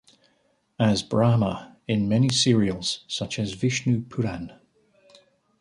As Brahma in many serials, such as Vishnu Puran.